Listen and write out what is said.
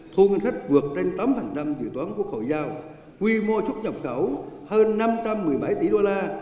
thu ngân sách vượt trên tám dự toán quốc hội giao quy mô xuất nhập khẩu hơn năm trăm một mươi bảy tỷ đô la